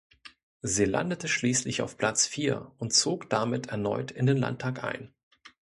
Sie landete schließlich auf Platz vier und zog damit erneut in den Landtag ein.